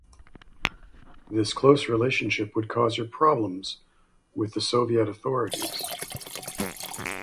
This close relationship would cause her problems with the Soviet authorities.